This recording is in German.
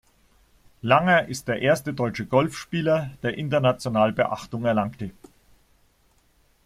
Langer ist der erste deutsche Golfspieler, der international Beachtung erlangte.